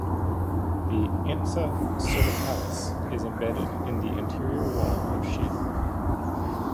The ansa cervicalis is embedded in the anterior wall of sheath.